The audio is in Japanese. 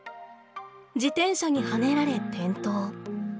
自転車にはねられ転倒。